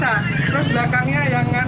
ya tapi bilangnya teror teror